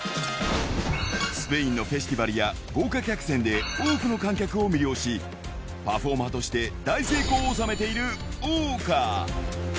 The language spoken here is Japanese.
スペインのフェスティバルや豪華客船で、多くの観客を魅了し、パフォーマーとして大成功を収めている謳歌。